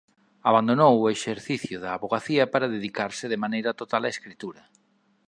Abandonou o exercicio da avogacía para dedicarse de maneira total á escritura.